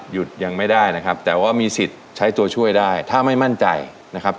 ยังไม่ได้นะครับแต่ว่ามีสิทธิ์ใช้ตัวช่วยได้ถ้าไม่มั่นใจนะครับ